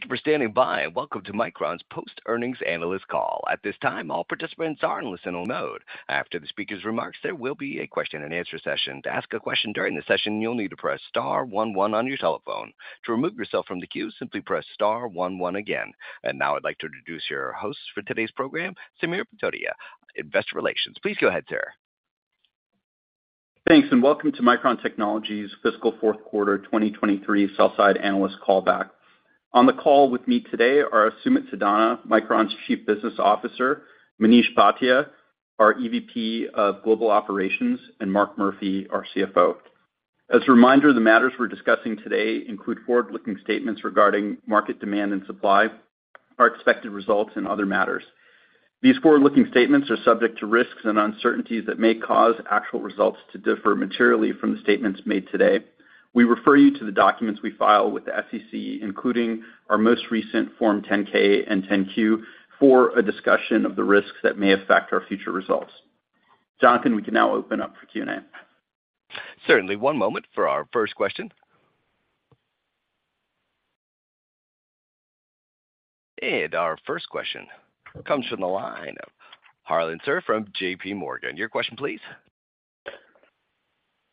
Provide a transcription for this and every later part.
Thank you for standing by, and welcome to Micron's Post Earnings Analyst Call. At this time, all participants are in listen-only mode. After the speaker's remarks, there will be a question and answer session. To ask a question during the session, you'll need to press star one-one on your telephone. To remove yourself from the queue, simply press star one-one again. And now I'd like to introduce your host for today's program, Samir Patodia, Investor Relations. Please go ahead, sir. Thanks, and welcome to Micron Technology's Fiscal Fourth Quarter 2023 Sell-Side Analyst Call Back. On the call with me today are Sumit Sadana, Micron's Chief Business Officer, Manish Bhatia, our EVP of Global Operations, and Mark Murphy, our CFO. As a reminder, the matters we're discussing today include forward-looking statements regarding market demand and supply, our expected results, and other matters. These forward-looking statements are subject to risks and uncertainties that may cause actual results to differ materially from the statements made today. We refer you to the documents we file with the SEC, including our most recent Form 10-K and 10-Q, for a discussion of the risks that may affect our future results. Jonathan, we can now open up for Q&A. Certainly. One moment for our first question. Our first question comes from the line of Harlan Sur from JPMorgan. Your question, please.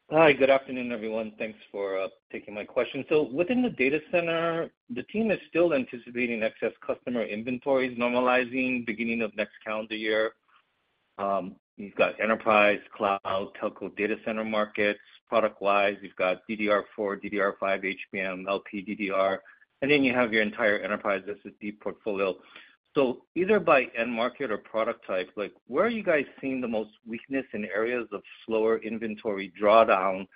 Hi, good afternoon, everyone. Thanks for taking my question. So within the data center, the team is still anticipating excess customer inventories normalizing beginning of next calendar year. You've got enterprise, cloud, telco, data center markets. Product-wise, you've got DDR4, DDR5, HBM, LPDDR, and then you have your entire enterprise SSD portfolio. So either by end market or product type, like, where are you guys seeing the most weakness in areas of slower inventory drawdown?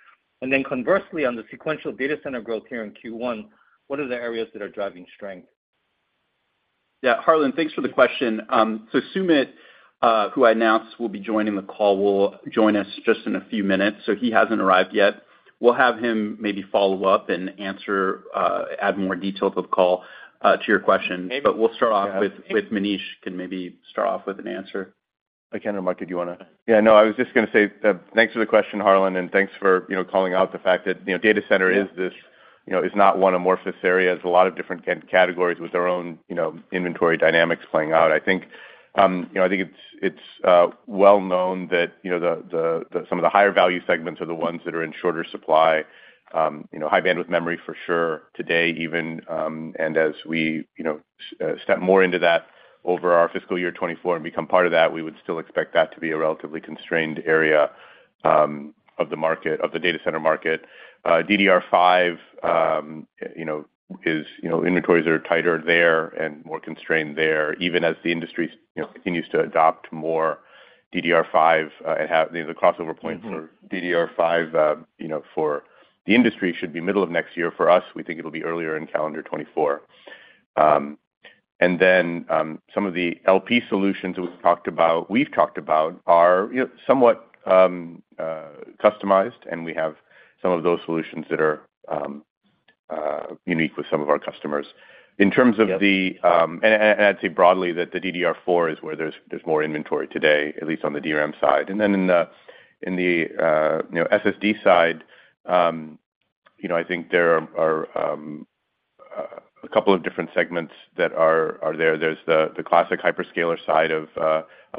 And then conversely, on the sequential data center growth here in Q1, what are the areas that are driving strength? Yeah, Harlan, thanks for the question. So Sumit, who I announced will be joining the call, will join us just in a few minutes, so he hasn't arrived yet. We'll have him maybe follow up and answer, add more details of call to your question. But we'll start off with Manish, can maybe start off with an answer. Mark, do you want to... Yeah, no, I was just going to say, thanks for the question, Harlan, and thanks for, you know, calling out the fact that, you know, data center is this, you know, is not one amorphous area. There's a lot of different categories with their own, you know, inventory dynamics playing out. I think, you know, I think it's, it's, well known that, you know, the, the, the some of the higher value segments are the ones that are in shorter supply. You know, high bandwidth memory for sure, today, even, and as we, you know, step more into that over our fiscal year 2024 and become part of that, we would still expect that to be a relatively constrained area, of the market, of the data center market. DDR5, you know, is, you know, inventories are tighter there and more constrained there, even as the industry, you know, continues to adopt more DDR5. It has the crossover points- Mm-hmm. For DDR5, you know, for the industry, should be middle of next year. For us, we think it'll be earlier in calendar 2024. And then, some of the LP solutions we've talked about, we've talked about are, you know, somewhat customized, and we have some of those solutions that are unique with some of our customers. In terms of the- Yep. And I'd say broadly that the DDR4 is where there's more inventory today, at least on the DRAM side. And then in the, you know, SSD side, you know, I think there are a couple of different segments that are there. There's the classic hyperscaler side of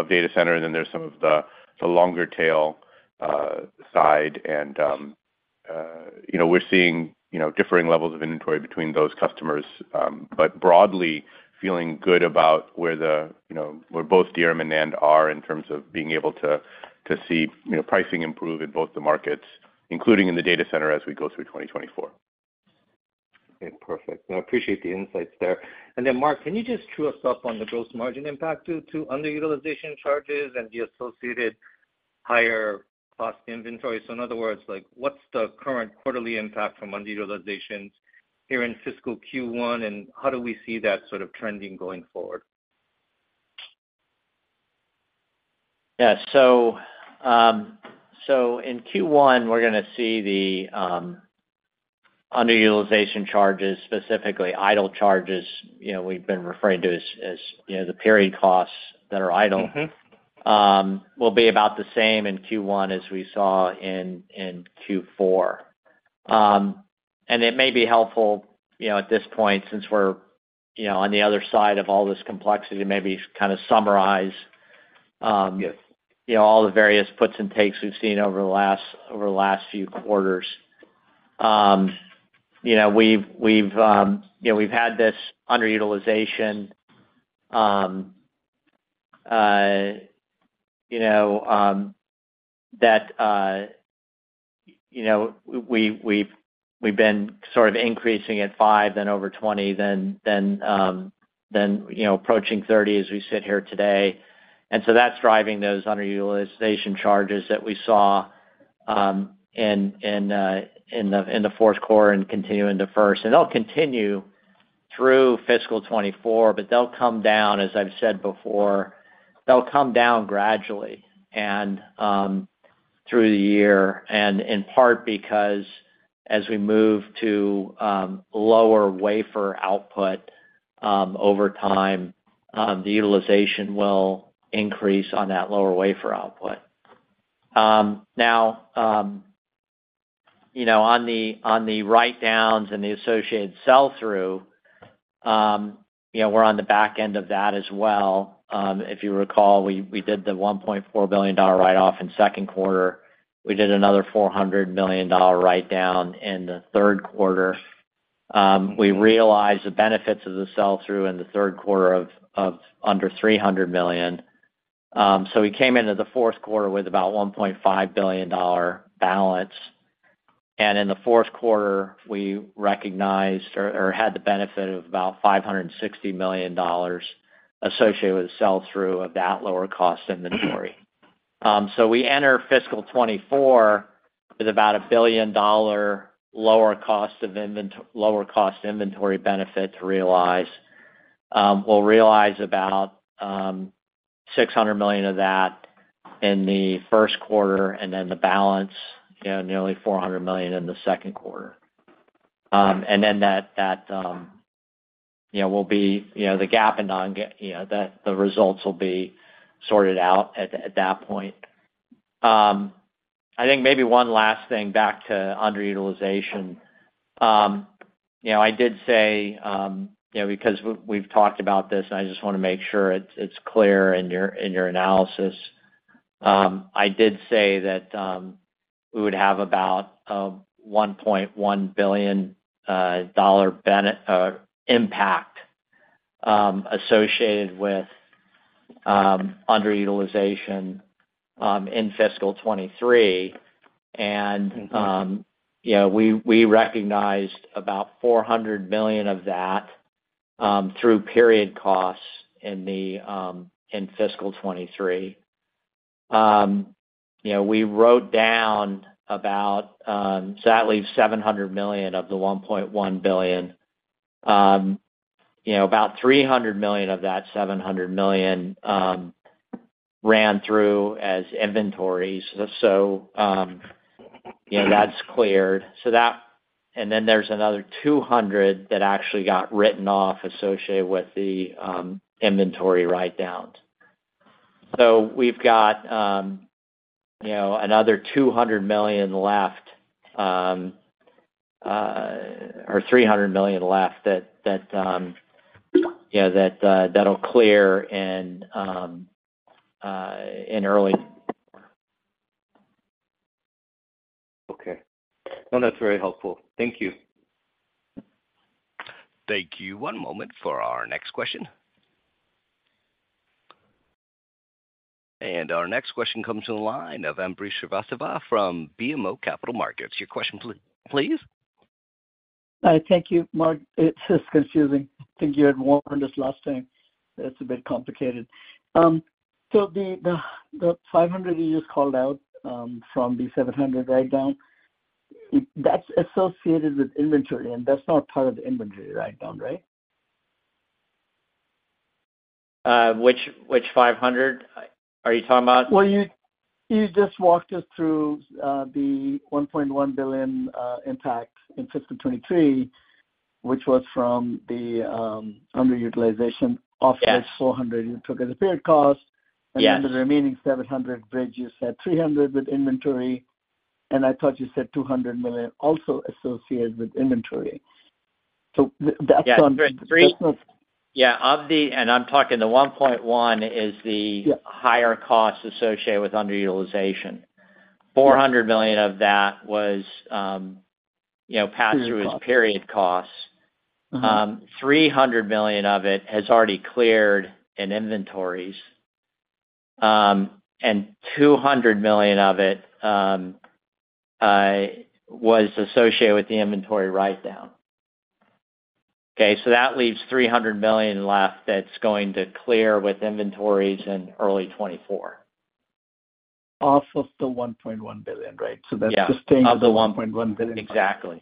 data center, and then there's some of the longer tail side. And you know, we're seeing you know, differing levels of inventory between those customers, but broadly, feeling good about where, you know, both DRAM and NAND are in terms of being able to see, you know, pricing improve in both the markets, including in the data center, as we go through 2024. Okay, perfect. No, I appreciate the insights there. And then, Mark, can you just true us up on the gross margin impact due to underutilization charges and the associated higher cost inventory? So in other words, like, what's the current quarterly impact from underutilizations here in fiscal Q1, and how do we see that sort of trending going forward? Yeah, so in Q1, we're going to see the underutilization charges, specifically idle charges, you know, we've been referring to as, you know, the period costs that are idle- Mm-hmm. will be about the same in Q1 as we saw in Q4. And it may be helpful, you know, at this point, since we're, you know, on the other side of all this complexity, maybe kind of summarize, Yes You know, all the various puts and takes we've seen over the last few quarters. You know, we've had this underutilization, you know, that we've been sort of increasing at 5, then over 20, then, you know, approaching 30 as we sit here today. And so that's driving those underutilization charges that we saw in the fourth quarter and continue into first. And they'll continue through fiscal 2024, but they'll come down, as I've said before, they'll come down gradually and through the year, and in part because as we move to lower wafer output over time, the utilization will increase on that lower wafer output. Now... You know, on the, on the write-downs and the associated sell-through, you know, we're on the back end of that as well. If you recall, we did the $1.4 billion write-off in second quarter. We did another $400 million write-down in the third quarter. We realized the benefits of the sell-through in the third quarter of under $300 million. So we came into the fourth quarter with about $1.5 billion balance. And in the fourth quarter, we recognized or had the benefit of about $560 million associated with the sell-through of that lower cost inventory. So we enter fiscal 2024 with about a $1 billion lower cost inventory benefit to realize. We'll realize about $600 million of that in the first quarter, and then the balance, you know, nearly $400 million in the second quarter. And then that, you know, will be, you know, the GAAP and non-GAAP, you know, the results will be sorted out at that point. I think maybe one last thing back to underutilization. You know, I did say, you know, because we've talked about this, and I just want to make sure it's clear in your analysis. I did say that we would have about $1.1 billion dollar impact associated with underutilization in fiscal 2023. And, you know, we recognized about $400 million of that through period costs in fiscal 2023. You know, we wrote down about, so that leaves $700 million of the $1.1 billion. You know, about $300 million of that $700 million ran through as inventories. So, you know, that's cleared. So that. And then there's another $200 million that actually got written off associated with the inventory write-downs. So we've got, you know, another $200 million left, or $300 million left that, yeah, that, that'll clear in early. Okay. No, that's very helpful. Thank you. Thank you. One moment for our next question. Our next question comes to the line of Ambrish Srivastava from BMO Capital Markets. Your question, please? Hi. Thank you, Mark. It's just confusing. I think you had warned us last time. It's a bit complicated. So the $500 million you just called out, from the $700 million write-down, that's associated with inventory, and that's not part of the inventory write-down, right? Which $500 million are you talking about? Well, you just walked us through the $1.1 billion impact in fiscal 2023, which was from the underutilization- Yes. Of course, $400 million you took as a period cost. Yes. And then the remaining $700 million bridge, you said $300 million with inventory, and I thought you said $200 million also associated with inventory. So that's on- Yeah. Three- Yeah, of the... And I'm talking the $1.1 billion is the- Yeah higher cost associated with underutilization. Yeah. $400 million of that was, you know, passed through- Period costs... as period costs. Mm-hmm. $300 million of it has already cleared in inventories, and $200 million of it was associated with the inventory write-down. Okay, so that leaves $300 million left that's going to clear with inventories in early 2024. Off of the $1.1 billion, right? Yeah. So that's just- Of the $1.1 billion. Exactly.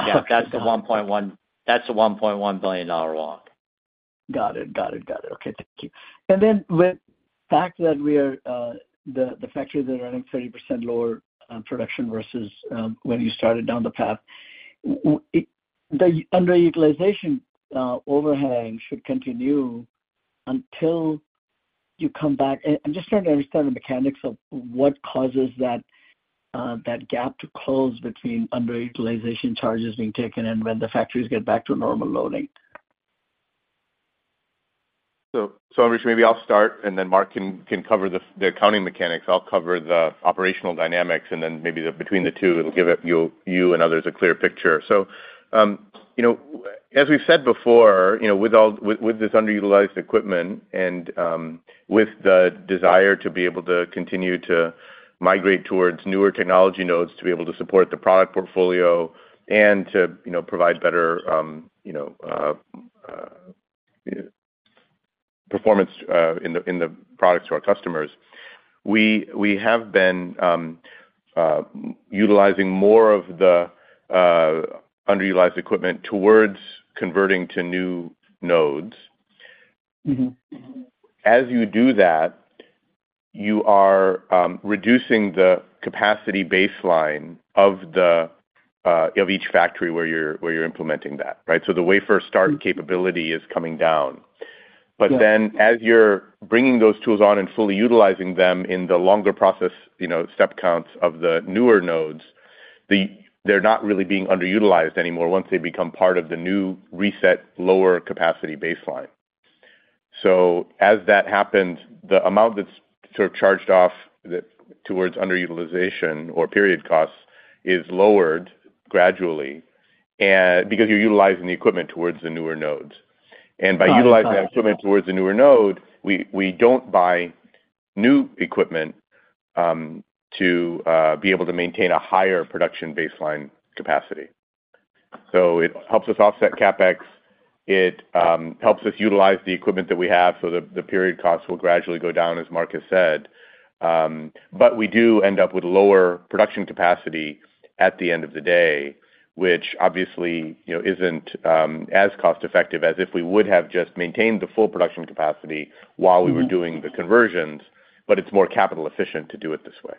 Okay. Yeah, that's the $1.1 billion-dollar walk. Got it. Got it. Got it. Okay, thank you. And then with the fact that we are, the factories are running 30% lower production versus when you started down the path, the underutilization overhang should continue until you come back. I'm just trying to understand the mechanics of what causes that gap to close between underutilization charges being taken and when the factories get back to normal loading. So, Ambrish, maybe I'll start, and then Mark can cover the accounting mechanics. I'll cover the operational dynamics, and then maybe between the two, it'll give you and others a clear picture. So, you know, as we've said before, you know, with all this underutilized equipment and with the desire to be able to continue to migrate towards newer technology nodes, to be able to support the product portfolio and to, you know, provide better, you know, performance in the products to our customers, we have been utilizing more of the underutilized equipment towards converting to new nodes. Mm-hmm. As you do that, you are reducing the capacity baseline of the of each factory where you're, where you're implementing that, right? So the wafer start capability is coming down. But then as you're bringing those tools on and fully utilizing them in the longer process, you know, step counts of the newer nodes, they're not really being underutilized anymore once they become part of the new reset, lower capacity baseline. So as that happens, the amount that's sort of charged off the, towards underutilization or period costs is lowered gradually, and because you're utilizing the equipment towards the newer nodes. Oh, I'm sorry. By utilizing the equipment towards the newer node, we don't buy new equipment to be able to maintain a higher production baseline capacity. So it helps us offset CapEx. It helps us utilize the equipment that we have, so the period costs will gradually go down, as Mark has said. But we do end up with lower production capacity at the end of the day, which obviously, you know, isn't as cost-effective as if we would have just maintained the full production capacity while- Mm-hmm. We were doing the conversions, but it's more capital efficient to do it this way.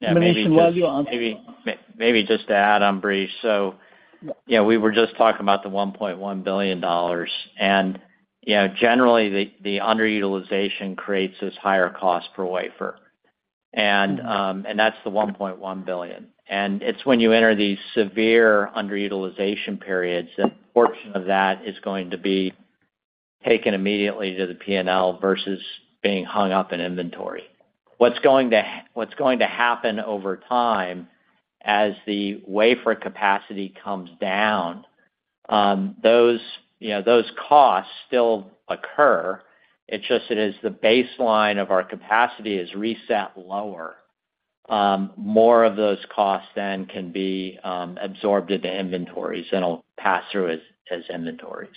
Combination-wise, you answer. Maybe, maybe just to add on, Ambrish. So, you know, we were just talking about the $1.1 billion, and, you know, generally, the underutilization creates this higher cost per wafer. Mm-hmm. And that's the $1.1 billion, and it's when you enter these severe underutilization periods, that portion of that is going to be taken immediately to the P&L versus being hung up in inventory. What's going to happen over time, as the wafer capacity comes down, those, you know, those costs still occur. It's just that as the baseline of our capacity is reset lower, more of those costs then can be absorbed into inventories and will pass through as inventories,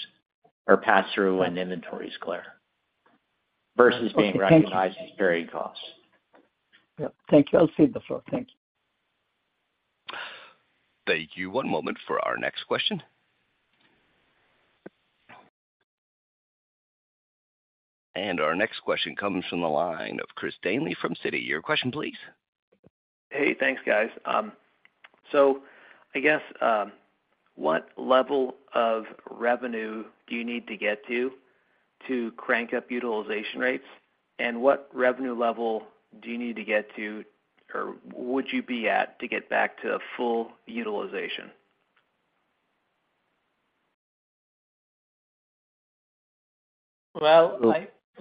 or pass through when inventory is clear, versus- Okay, thank you. Being recognized as varied costs. Yep. Thank you. I'll cede the floor. Thank you. Thank you. One moment for our next question. Our next question comes from the line of Chris Danely from Citi. Your question, please. Hey, thanks, guys. So I guess, what level of revenue do you need to get to, to crank up utilization rates? And what revenue level do you need to get to, or would you be at, to get back to a full utilization? Well,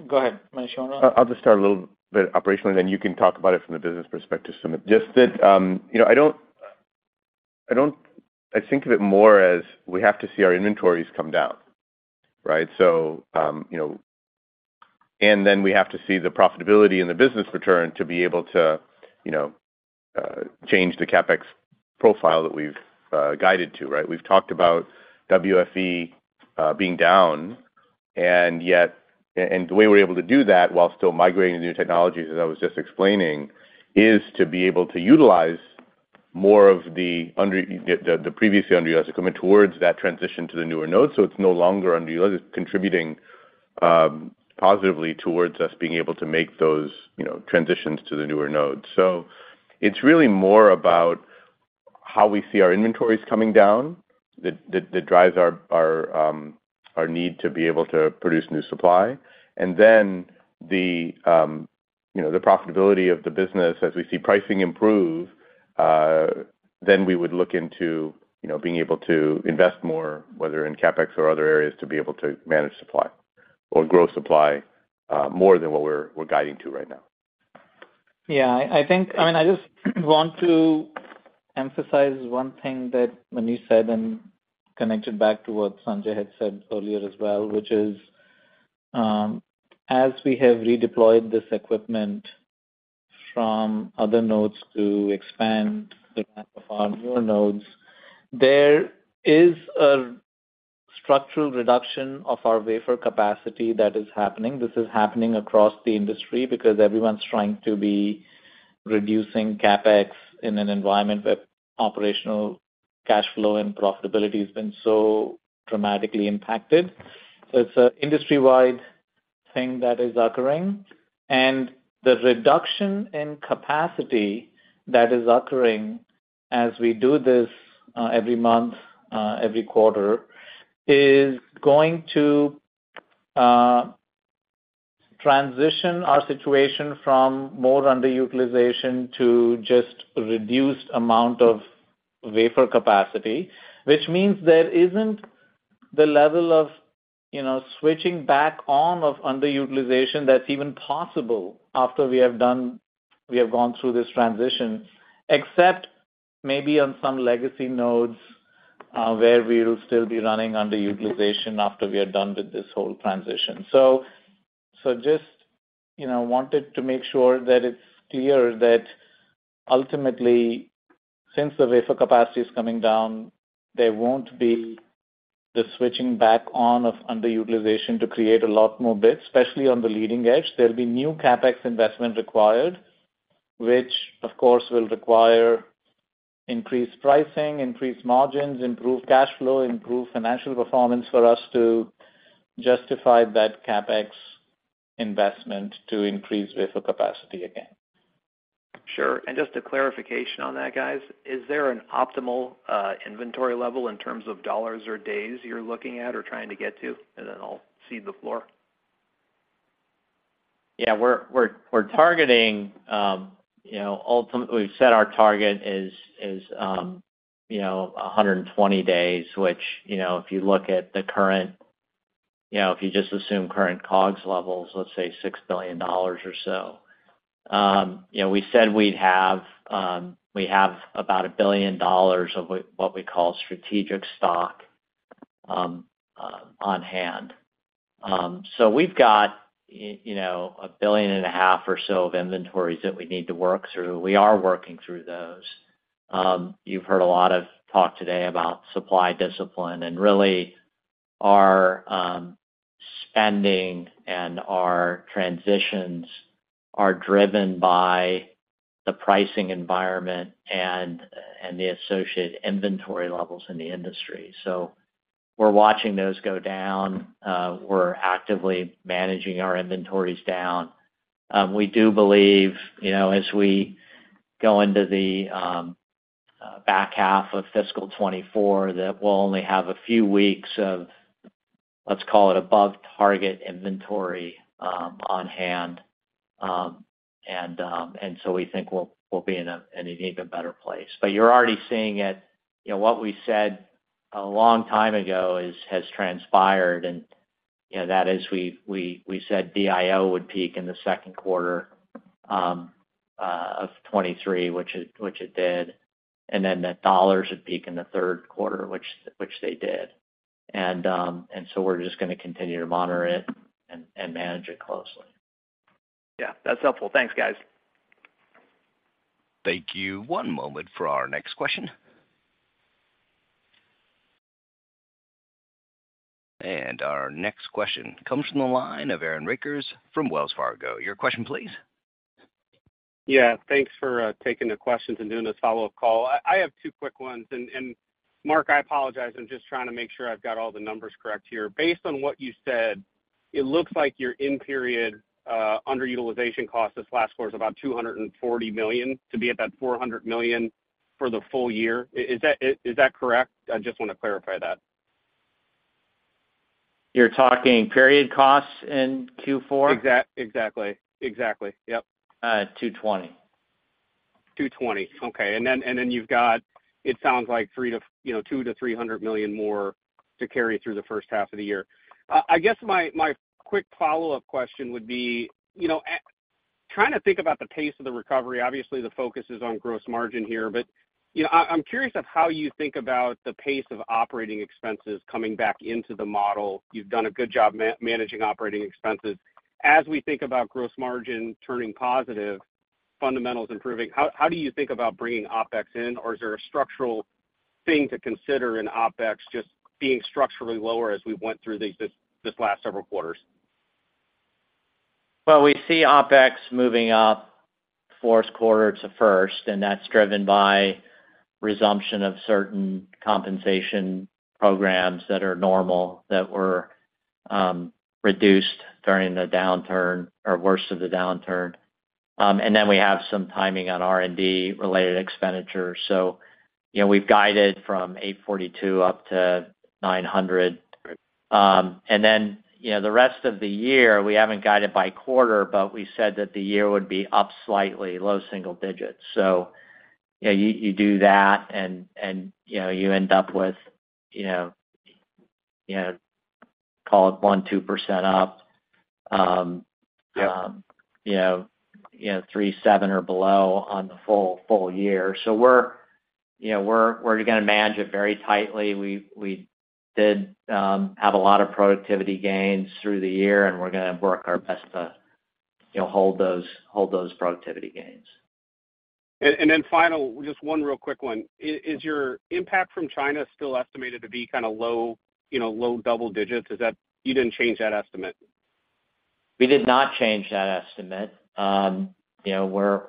go ahead, Manish, why don't you? I'll just start a little bit operationally, then you can talk about it from the business perspective. So just that, you know, I think of it more as we have to see our inventories come down, right? So, you know, and then we have to see the profitability and the business return to be able to, you know, change the CapEx profile that we've guided to, right? We've talked about WFE being down, and yet, the way we're able to do that while still migrating new technologies, as I was just explaining, is to be able to utilize more of the previously underutilized coming towards that transition to the newer nodes, so it's no longer underutilized. It's contributing positively towards us being able to make those, you know, transitions to the newer nodes. So it's really more about how we see our inventories coming down that drives our need to be able to produce new supply, and then you know, the profitability of the business as we see pricing improve, then we would look into, you know, being able to invest more, whether in CapEx or other areas, to be able to manage supply or grow supply, more than what we're guiding to right now. Yeah, I think... I mean, I just want to emphasize one thing that Manish said and connect it back to what Sanjay had said earlier as well, which is, as we have redeployed this equipment from other nodes to expand the map of our newer nodes, there is a structural reduction of our wafer capacity that is happening. This is happening across the industry because everyone's trying to be reducing CapEx in an environment where operational cash flow and profitability has been so dramatically impacted. So it's an industry-wide thing that is occurring, and the reduction in capacity that is occurring as we do this, every month, every quarter, is going to transition our situation from more underutilization to just reduced amount of wafer capacity, which means there isn't the level of, you know, switching back on of underutilization that's even possible after we have done, we have gone through this transition, except maybe on some legacy nodes, where we will still be running underutilization after we are done with this whole transition. So, so just, you know, wanted to make sure that it's clear that ultimately, since the wafer capacity is coming down, there won't be the switching back on of underutilization to create a lot more bits, especially on the leading edge. There'll be new CapEx investment required, which of course, will require increased pricing, increased margins, improved cash flow, improved financial performance for us to justify that CapEx investment to increase wafer capacity again. Sure. And just a clarification on that, guys. Is there an optimal, inventory level in terms of dollars or days you're looking at or trying to get to? And then I'll cede the floor. Yeah, we're targeting, you know, ultimately, we've said our target is, you know, 120 days, which, you know, if you look at the current, you know, if you just assume current COGS levels, let's say $6 billion or so. You know, we said we'd have, we have about $1 billion of what we call strategic stock on hand. So we've got, you know, $1.5 billion or so of inventories that we need to work through. We are working through those. You've heard a lot of talk today about supply discipline and really our spending and our transitions are driven by the pricing environment and the associated inventory levels in the industry. So we're watching those go down. We're actively managing our inventories down. We do believe, you know, as we go into the back half of fiscal 2024, that we'll only have a few weeks of, let's call it, above target inventory on hand. And so we think we'll be in an even better place. But you're already seeing it. You know, what we said a long time ago is has transpired, and, you know, that is we said DIO would peak in the second quarter of 2023, which it did, and then the dollars would peak in the third quarter, which they did. And so we're just gonna continue to monitor it and manage it closely. Yeah, that's helpful. Thanks, guys. Thank you. One moment for our next question. Our next question comes from the line of Aaron Rakers from Wells Fargo. Your question, please. Yeah, thanks for taking the questions and doing this follow-up call. I have two quick ones. And Mark, I apologize, I'm just trying to make sure I've got all the numbers correct here. Based on what you said, it looks like your in-period underutilization cost this last quarter is about $240 million to be at that $400 million for the full year. Is that correct? I just wanna clarify that. You're talking period costs in Q4? Exactly. Exactly. Yep. $220 million. $220 million, okay. And then, and then you've got, it sounds like, you know, $200 million-$300 million more to carry through the first half of the year. I guess my quick follow-up question would be, you know, trying to think about the pace of the recovery, obviously, the focus is on gross margin here. But, you know, I, I'm curious of how you think about the pace of operating expenses coming back into the model. You've done a good job managing operating expenses. As we think about gross margin turning positive, fundamentals improving, how do you think about bringing OpEx in? Or is there a structural thing to consider in OpEx just being structurally lower as we went through this last several quarters? Well, we see OpEx moving up fourth quarter to first, and that's driven by resumption of certain compensation programs that are normal, that were reduced during the downturn or worst of the downturn. And then we have some timing on R&D-related expenditures. So you know, we've guided from $842 million up to $900 million. And then, you know, the rest of the year, we haven't guided by quarter, but we said that the year would be up slightly, low-single digits. So you do that and, you know, you end up with, you know, call it 1%-2% up. Yep. You know, 3.7 or below on the full year. So we're, you know, gonna manage it very tightly. We did have a lot of productivity gains through the year, and we're gonna work our best to, you know, hold those productivity gains. And then, finally, just one real quick one. Is your impact from China still estimated to be kinda low, you know, low double digits? Is that... You didn't change that estimate. We did not change that estimate. You know, we're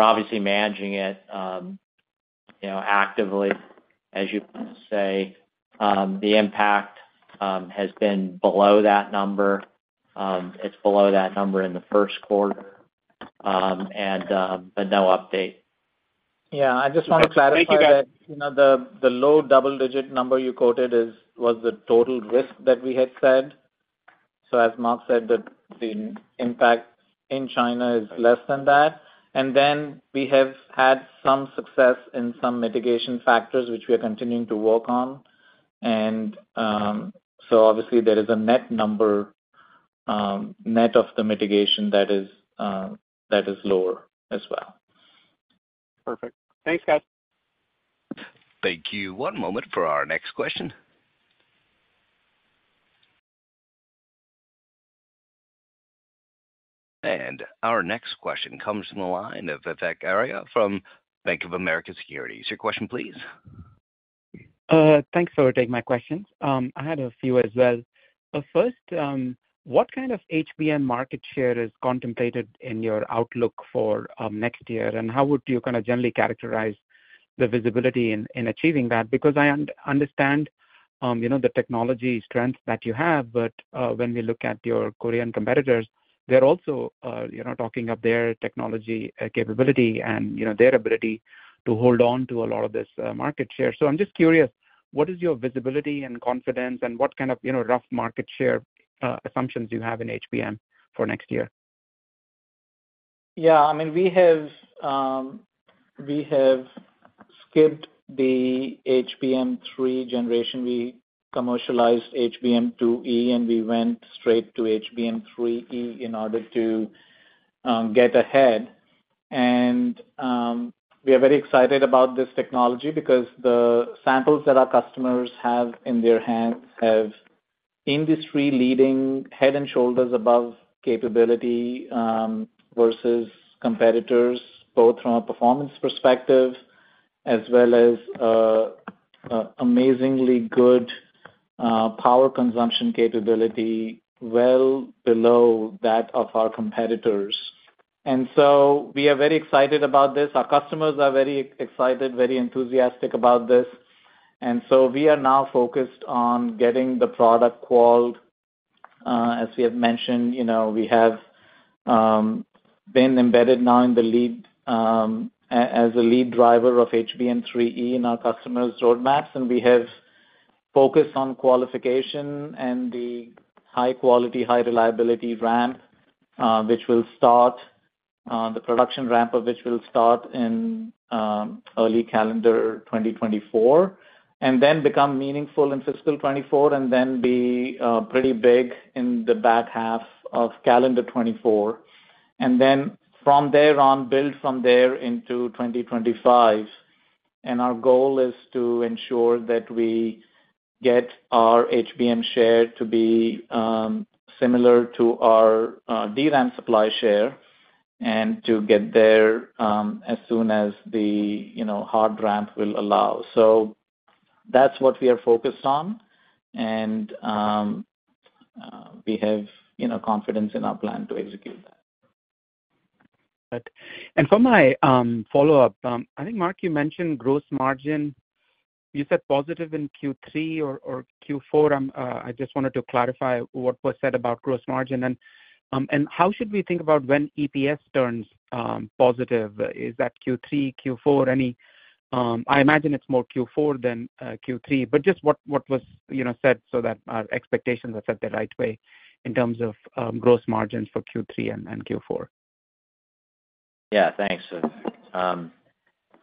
obviously managing it, you know, actively, as you say. The impact has been below that number. It's below that number in the first quarter, but no update. Yeah, I just want to clarify- Thank you, guys. you know, the low-double digit number you quoted is, was the total risk that we had said. So as Mark said, that the impact in China is less than that. And then we have had some success in some mitigation factors, which we are continuing to work on. And, so obviously, there is a net number, net of the mitigation that is, that is lower as well. Perfect. Thanks, guys. Thank you. One moment for our next question. Our next question comes from the line of Vivek Arya from Bank of America Securities. Your question, please. Thanks for taking my questions. I had a few as well. But first, what kind of HBM market share is contemplated in your outlook for next year? And how would you kind of generally characterize the visibility in achieving that? Because I understand, you know, the technology strengths that you have, but when we look at your Korean competitors, they're also, you know, talking up their technology capability and, you know, their ability to hold on to a lot of this market share. So I'm just curious, what is your visibility and confidence, and what kind of, you know, rough market share assumptions do you have in HBM for next year? Yeah, I mean, we have, we have skipped the HBM3 generation. We commercialized HBM2E, and we went straight to HBM3E in order to, get ahead. And, we are very excited about this technology because the samples that our customers have in their hands have industry-leading, head and shoulders above capability, versus competitors, both from a performance perspective as well as, amazingly good, power consumption capability, well below that of our competitors. And so we are very excited about this. Our customers are very excited, very enthusiastic about this. And so we are now focused on getting the product qualified. As we have mentioned, you know, we have been embedded now in the lead, as a lead driver of HBM3E in our customers' roadmaps, and we have focused on qualification and the high quality, high reliability ramp, which will start, the production ramp of which will start in early calendar 2024, and then become meaningful in fiscal 2024, and then be pretty big in the back half of calendar 2024. And then from there on, build from there into 2025. And our goal is to ensure that we get our HBM share to be similar to our DRAM supply share, and to get there as soon as the, you know, hard ramp will allow. So that's what we are focused on, and we have, you know, confidence in our plan to execute that. Right. And for my follow-up, I think, Mark, you mentioned gross margin. You said positive in Q3 or Q4. I just wanted to clarify what was said about gross margin. And how should we think about when EPS turns positive? Is that Q3, Q4, any... I imagine it's more Q4 than Q3, but just what was said so that our expectations are set the right way in terms of gross margins for Q3 and Q4? Yeah, thanks.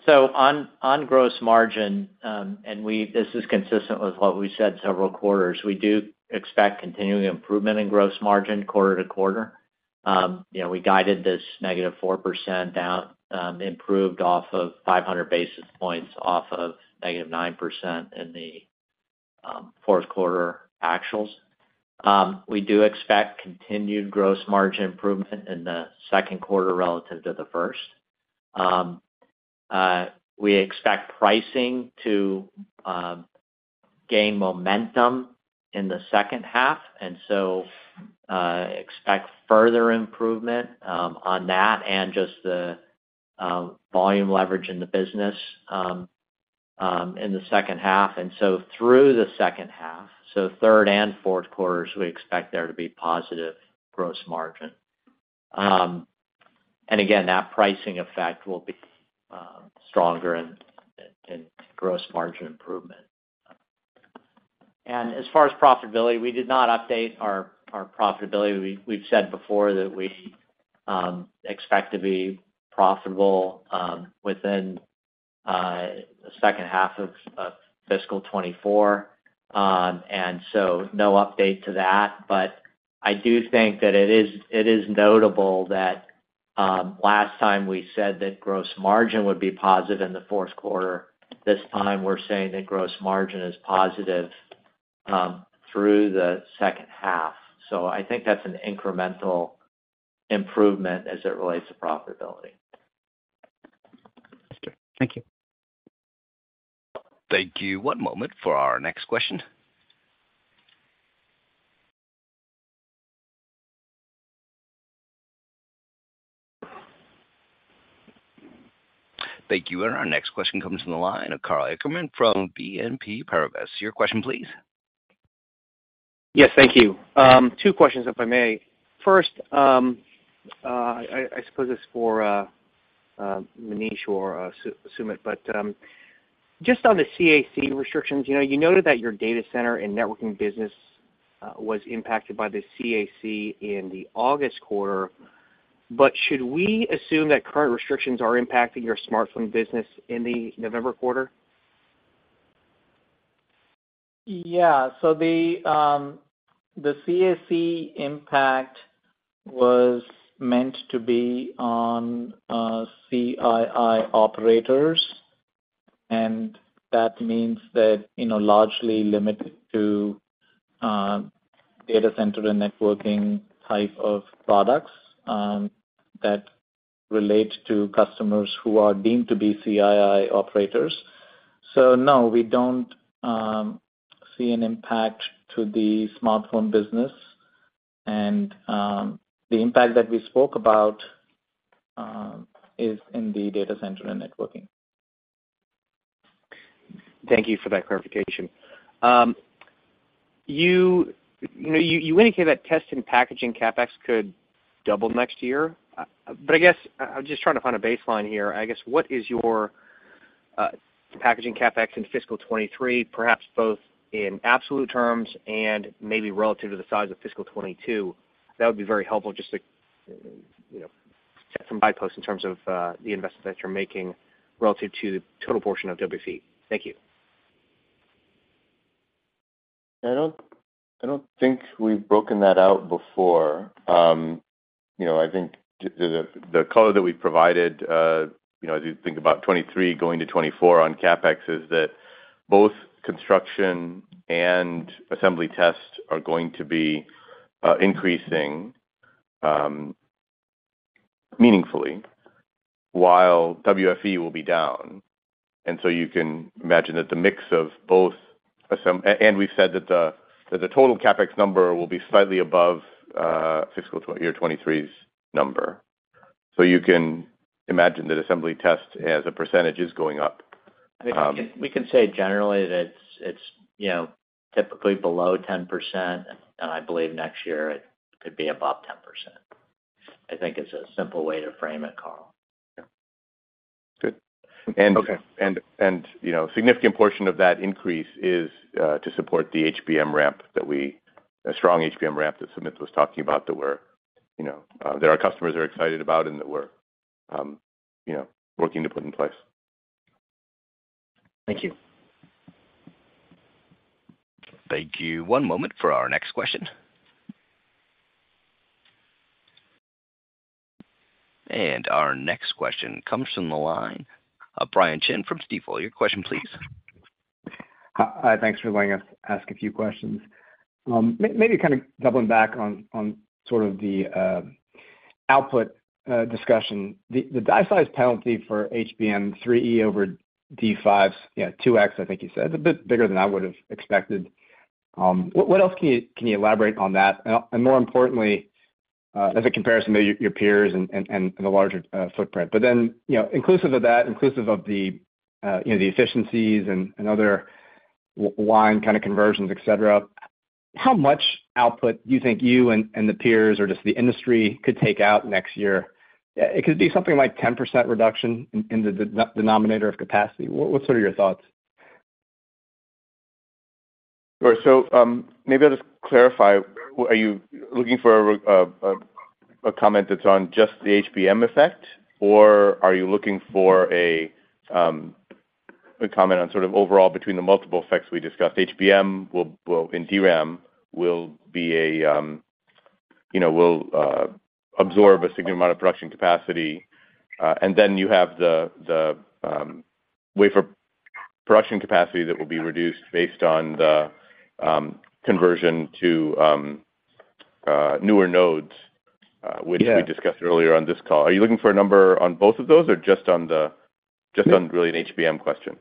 So on gross margin, and we—this is consistent with what we said several quarters, we do expect continuing improvement in gross margin quarter to quarter. You know, we guided this -4% down, improved off of 500 basis points off of -9% in the fourth quarter actuals. We do expect continued gross margin improvement in the second quarter relative to the first. We expect pricing to gain momentum in the second half and so expect further improvement on that and just the volume leverage in the business in the second half. And so through the second half, so third and fourth quarters, we expect there to be positive gross margin. And again, that pricing effect will be stronger in gross margin improvement. As far as profitability, we did not update our profitability. We've said before that we expect to be profitable within the second half of fiscal 2024. And so no update to that, but I do think that it is notable that last time we said that gross margin would be positive in the fourth quarter. This time we're saying that gross margin is positive through the second half. So I think that's an incremental improvement as it relates to profitability. Okay. Thank you. Thank you. One moment for our next question. Thank you. Our next question comes from the line of Karl Ackerman from BNP Paribas. Your question, please. Yes, thank you. Two questions, if I may. First, I suppose it's for Manish or Sumit, but just on the CAC restrictions, you know, you noted that your data center and networking business was impacted by the CAC in the August quarter, but should we assume that current restrictions are impacting your smartphone business in the November quarter? Yeah. So the CAC impact was meant to be on CII operators, and that means that, you know, largely limited to data center and networking type of products that relate to customers who are deemed to be CII operators. So no, we don't see an impact to the smartphone business. And the impact that we spoke about is in the data center and networking. Thank you for that clarification. You know, you indicated that test and packaging CapEx could double next year. But I guess, I'm just trying to find a baseline here. I guess, what is your packaging CapEx in fiscal 2023, perhaps both in absolute terms and maybe relative to the size of fiscal 2022? That would be very helpful just to, you know, set some baseline in terms of the investment that you're making relative to the total portion of WFE. Thank you. I don't think we've broken that out before. You know, I think the color that we've provided, you know, as you think about 2023 going to 2024 on CapEx, is that both construction and assembly tests are going to be increasing meaningfully, while WFE will be down. And so you can imagine that the mix of both assembly and we said that the total CapEx number will be slightly above fiscal year 2023's number. So you can imagine that assembly test, as a percentage, is going up. We can say generally that it's, you know, typically below 10%, and I believe next year it could be above 10%. I think it's a simple way to frame it, Karl. Yeah. Good. Okay. You know, a significant portion of that increase is to support the HBM ramp, a strong HBM ramp that Sumit was talking about, that we're, you know, that our customers are excited about and that we're, you know, working to put in place. Thank you. Thank you. One moment for our next question. Our next question comes from the line of Brian Chin from Stifel. Your question, please. Hi, thanks for letting us ask a few questions. Maybe kind of doubling back on sort of the output discussion. The die size penalty for HBM3E over DDR5, yeah, 2x, I think you said. It's a bit bigger than I would have expected. What else can you elaborate on that? And more importantly, as a comparison to your peers and the larger footprint. But then, you know, inclusive of that, inclusive of the, you know, the efficiencies and other line kind of conversions, et cetera, how much output do you think you and the peers, or just the industry, could take out next year? It could be something like 10% reduction in the denominator of capacity. What are your thoughts? Sure. So, maybe I'll just clarify. Are you looking for a comment that's on just the HBM effect, or are you looking for a comment on sort of overall between the multiple effects we discussed? HBM will and DRAM will be a you know will absorb a significant amount of production capacity. And then you have the wafer production capacity that will be reduced based on the conversion to newer nodes. Yeah Which we discussed earlier on this call. Are you looking for a number on both of those, or just on the? Yeah Just on really an HBM question?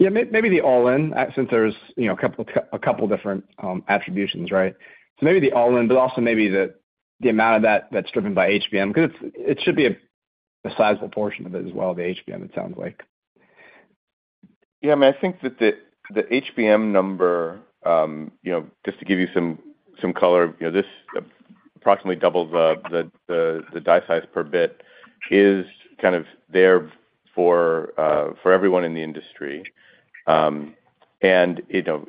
Yeah, maybe the all-in, since there's, you know, a couple, a couple different attributions, right? So maybe the all-in, but also maybe the, the amount of that, that's driven by HBM, because it's it should be a, a sizable portion of it as well, the HBM, it sounds like. Yeah, I mean, I think that the HBM number, you know, just to give you some color, you know, this approximately doubles the die size per bit is kind of there for everyone in the industry. And, you know,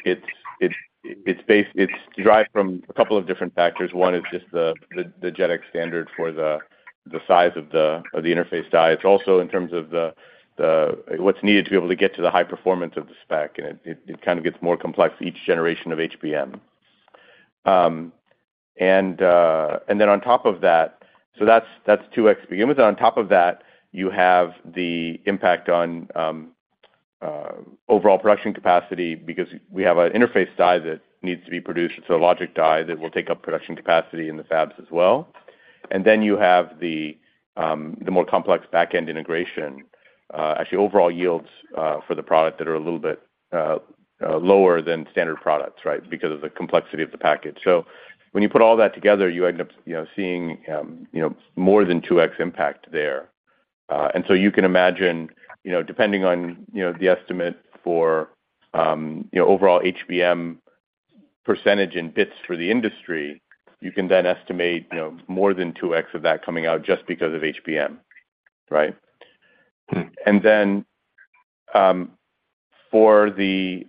it's derived from a couple of different factors. One is just the JEDEC standard for the size of the interface die. It's also in terms of what's needed to be able to get to the high performance of the spec, and it kind of gets more complex for each generation of HBM. And, and then on top of that, so that's, that's 2x to begin with, and on top of that, you have the impact on, overall production capacity, because we have an interface die that needs to be produced, so a logic die that will take up production capacity in the fabs as well. And then you have the, the more complex back-end integration, actually, overall yields, for the product that are a little bit, lower than standard products, right? Because of the complexity of the package. So when you put all that together, you end up, you know, seeing, you know, more than 2x impact there. And so you can imagine, you know, depending on, you know, the estimate for, you know, overall HBM percentage in bits for the industry, you can then estimate, you know, more than 2x of that coming out just because of HBM, right? Mm-hmm. And then, for the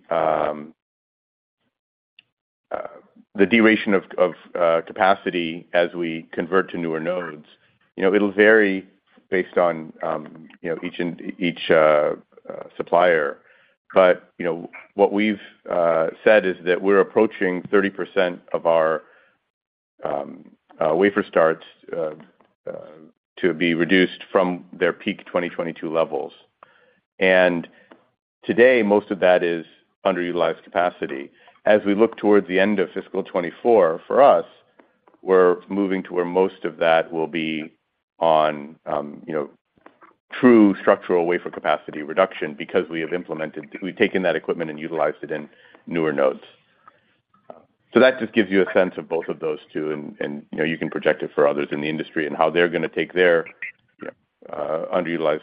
duration of capacity as we convert to newer nodes, you know, it'll vary based on, you know, each supplier. But, you know, what we've said is that we're approaching 30% of our wafer starts to be reduced from their peak 2022 levels. And today, most of that is underutilized capacity. As we look towards the end of fiscal 2024, for us, we're moving to where most of that will be on, you know, true structural wafer capacity reduction, because we have implemented—we've taken that equipment and utilized it in newer nodes. That just gives you a sense of both of those two, and you know, you can project it for others in the industry and how they're going to take their underutilized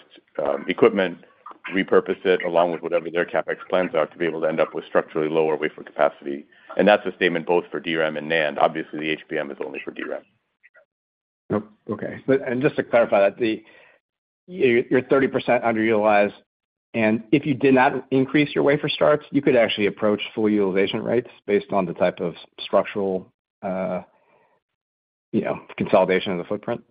equipment, repurpose it, along with whatever their CapEx plans are, to be able to end up with structurally lower wafer capacity. That's the statement both for DRAM and NAND. Obviously, the HBM is only for DRAM. Oh, okay. And just to clarify that, you're 30% underutilized, and if you did not increase your wafer starts, you could actually approach full utilization rates based on the type of structural, you know, consolidation of the footprint?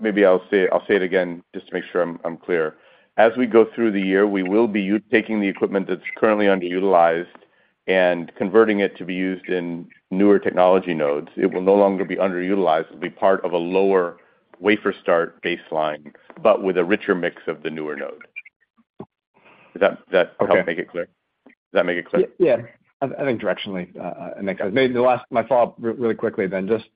Maybe I'll say, I'll say it again, just to make sure I'm clear. As we go through the year, we will be taking the equipment that's currently underutilized and converting it to be used in newer technology nodes. It will no longer be underutilized. It'll be part of a lower wafer start baseline, but with a richer mix of the newer node. Does that help make it clear? Okay. Does that make it clear? Yeah. I think directionally, and maybe the last my follow-up really quickly, then. Just,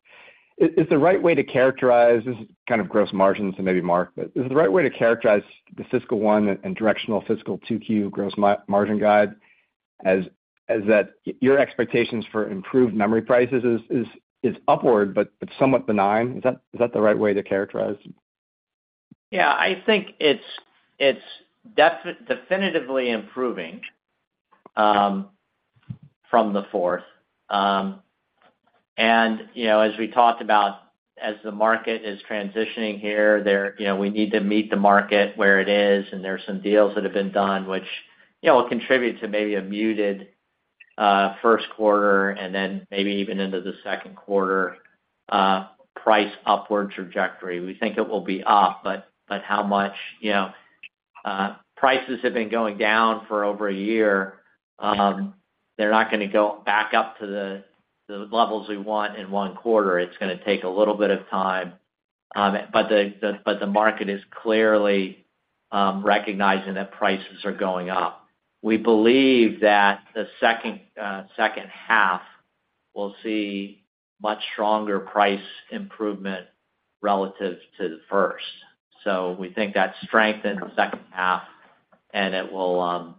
is the right way to characterize this is kind of gross margins, so maybe Mark, but is the right way to characterize the fiscal one and directional fiscal Q2 gross margin guide, as that your expectations for improved memory prices is upward, but it's somewhat benign? Is that the right way to characterize? Yeah, I think it's definitively improving from the fourth. And, you know, as we talked about, as the market is transitioning here, there you know, we need to meet the market where it is, and there are some deals that have been done, which, you know, will contribute to maybe a muted first quarter, and then maybe even into the second quarter price upward trajectory. We think it will be up, but how much? You know, prices have been going down for over a year. They're not going to go back up to the levels we want in one quarter. It's going to take a little bit of time. But the market is clearly recognizing that prices are going up. We believe that the second half will see much stronger price improvement relative to the first. So we think that strength in the second half, and it will,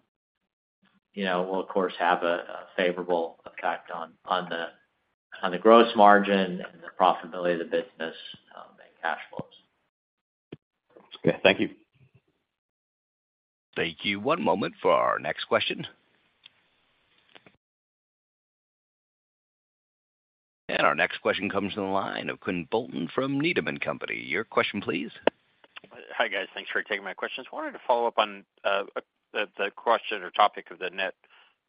you know, of course, have a favorable effect on the gross margin and the profitability of the business, and cash flows. Okay. Thank you. Thank you. One moment for our next question. Our next question comes in the line of Quinn Bolton from Needham & Company. Your question, please. Hi, guys. Thanks for taking my questions. Wanted to follow up on the question or topic of the net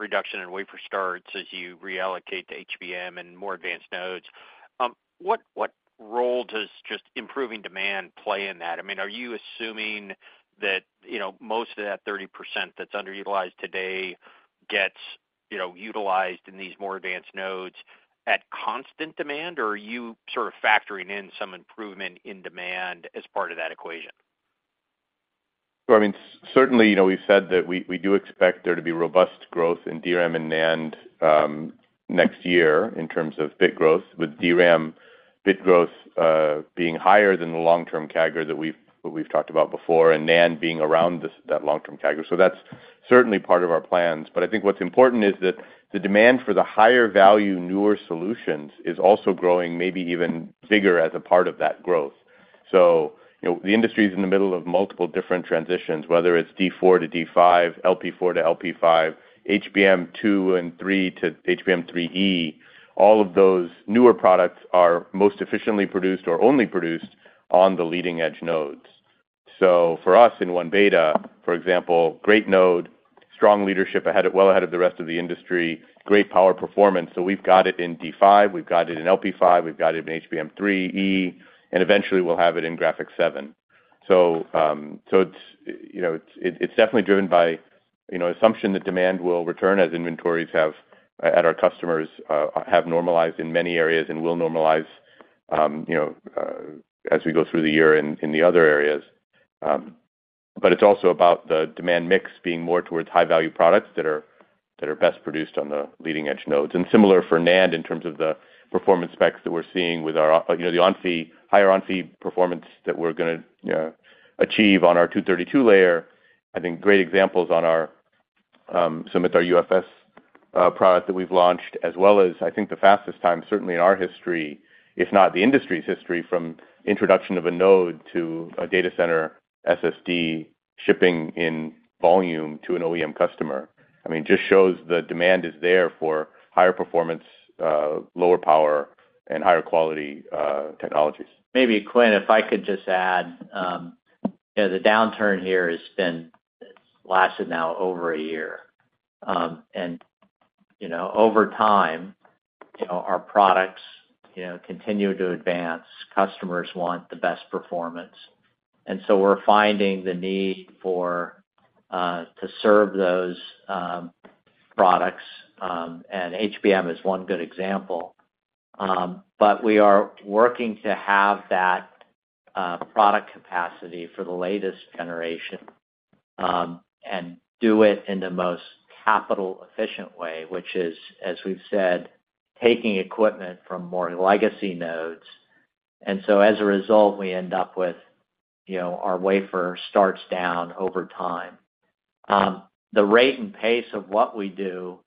reduction in wafer starts as you reallocate to HBM and more advanced nodes. What role does just improving demand play in that? I mean, are you assuming that, you know, most of that 30% that's underutilized today gets, you know, utilized in these more advanced nodes at constant demand, or are you sort of factoring in some improvement in demand as part of that equation? So I mean, certainly, you know, we've said that we, we do expect there to be robust growth in DRAM and NAND next year in terms of bit growth, with DRAM bit growth being higher than the long-term CAGR that we've, that we've talked about before, and NAND being around this, that long-term CAGR. So that's certainly part of our plans. But I think what's important is that the demand for the higher value, newer solutions is also growing, maybe even bigger as a part of that growth. So you know, the industry is in the middle of multiple different transitions, whether it's DDR4 to DDR5, LPDDR4 to LPDDR5, HBM2 and HBM3 to HBM3E. All of those newer products are most efficiently produced or only produced on the leading-edge nodes. So for us, in 1-beta, for example, great node, strong leadership ahead of, well ahead of the rest of the industry, great power performance. So we've got it in DDR5, we've got it in LPDDR5, we've got it in HBM3E, and eventually, we'll have it in Graphics 7. So, so it's, you know, it's, it's definitely driven by, you know, assumption that demand will return as inventories have, at our customers, have normalized in many areas and will normalize, you know, as we go through the year in, in the other areas. But it's also about the demand mix being more towards high-value products that are, that are best produced on the leading-edge nodes. And similar for NAND, in terms of the performance specs that we're seeing with our, you know, the 176, higher 176 performance that we're gonna, you know, achieve on our 232-layer. I think great examples on our, some with our UFS product that we've launched, as well as I think the fastest time, certainly in our history, if not the industry's history, from introduction of a node to a data center SSD shipping in volume to an OEM customer. I mean, it just shows the demand is there for higher performance, lower power, and higher quality technologies. Maybe, Quinn, if I could just add, you know, the downturn here has been. It's lasted now over a year. And, you know, over time, you know, our products, you know, continue to advance. Customers want the best performance, and so we're finding the need for to serve those products, and HBM is one good example. But we are working to have that product capacity for the latest generation, and do it in the most capital efficient way, which is, as we've said, taking equipment from more legacy nodes. And so as a result, we end up with, you know, our wafer starts down over time. The rate and pace of what we do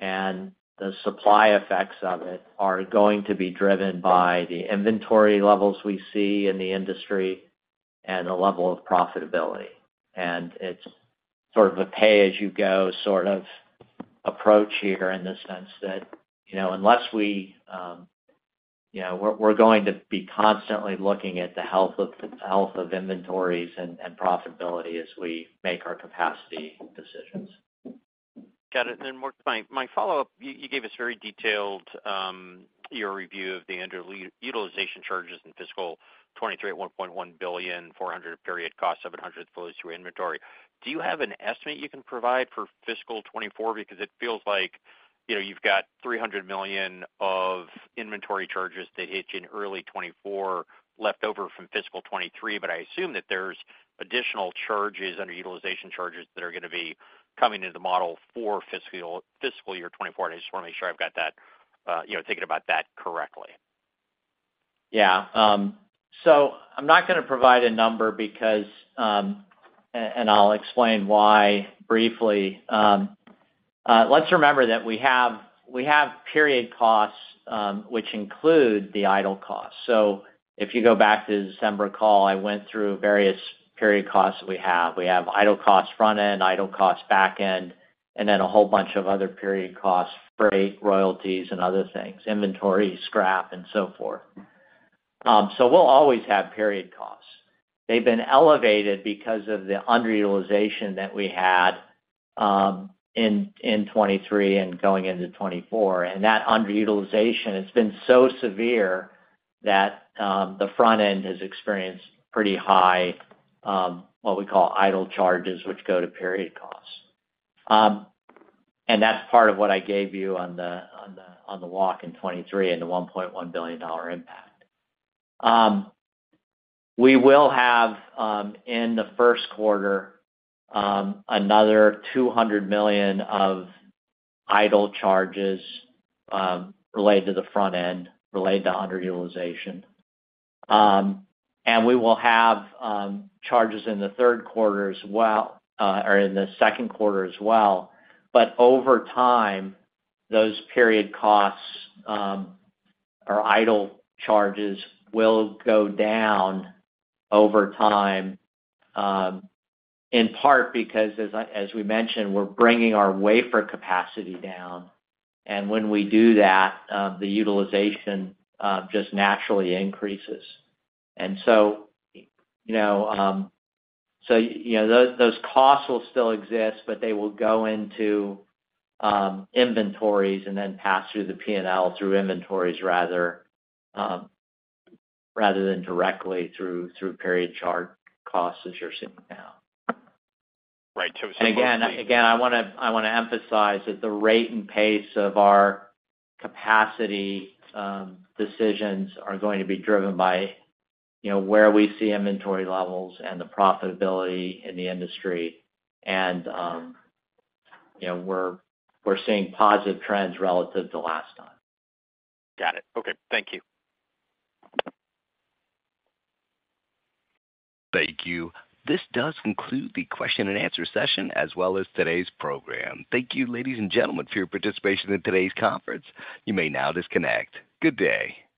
and the supply effects of it are going to be driven by the inventory levels we see in the industry and the level of profitability. It's sort of a pay-as-you-go sort of approach here in the sense that, you know, unless we, you know, we're going to be constantly looking at the health of inventories and profitability as we make our capacity decisions. Got it. And then, Mark, my follow-up, you gave us very detailed, your review of the underutilization charges in fiscal 2023 at $1.1 billion, $400 million period cost, $700 million flows through inventory. Do you have an estimate you can provide for fiscal 2024? Because it feels like, you know, you've got $300 million of inventory charges that hit you in early 2024, left over from fiscal 2023. But I assume that there's additional charges, underutilization charges, that are gonna be coming into the model for fiscal year 2024. I just wanna make sure I've got that, you know, thinking about that correctly. Yeah. So I'm not gonna provide a number because, and I'll explain why briefly. Let's remember that we have period costs, which include the idle costs. So if you go back to the December call, I went through various period costs that we have. We have idle costs front-end, idle costs back-end, and then a whole bunch of other period costs, freight, royalties, and other things, inventory, scrap, and so forth. So we'll always have period costs. They've been elevated because of the underutilization that we had in 2023 and going into 2024. And that underutilization has been so severe that the front end has experienced pretty high what we call idle charges, which go to period costs. That's part of what I gave you on the walk in 2023 and the $1.1 billion impact. We will have, in the first quarter, another $200 million of idle charges, related to the front end, related to underutilization. And we will have, charges in the third quarter as well, or in the second quarter as well. But over time, those period costs, or idle charges will go down over time, in part because as we mentioned, we're bringing our wafer capacity down, and when we do that, the utilization, just naturally increases. So, you know, those costs will still exist, but they will go into inventories and then pass through the P&L through inventories rather than directly through period costs as you're seeing now. Right. So- And again, I wanna emphasize that the rate and pace of our capacity decisions are going to be driven by, you know, where we see inventory levels and the profitability in the industry. And, you know, we're seeing positive trends relative to last time. Got it. Okay. Thank you. Thank you. This does conclude the question and answer session, as well as today's program. Thank you, ladies and gentlemen, for your participation in today's conference. You may now disconnect. Good day.